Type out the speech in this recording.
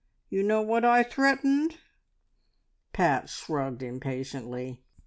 You know what I threatened?" Pat shrugged impatiently.